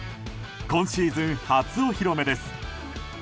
今シーズン初お披露目です。